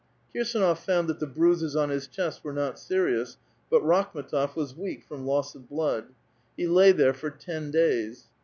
Kirs&nof found that the bruises on his chest were not serious, but Rakhmetof was weak from loss of blood. He lay there for ten days.